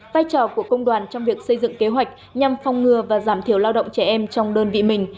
vai trò của công đoàn trong việc xây dựng kế hoạch nhằm phòng ngừa và giảm thiểu lao động trẻ em trong đơn vị mình